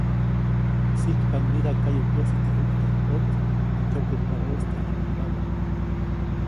Sijkpaʼuŋ mida kayukäsi teʼ juktäjkpät, teʼ kyoketpabäʼis teʼ ʼaŋgiʼmbabä.